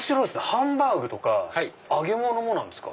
ハンバーグとか揚げ物もなんですか？